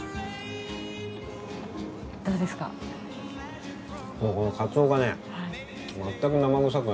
どうですか？へ。